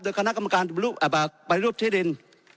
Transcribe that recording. คณะกรรมการปฏิรูปที่ดิน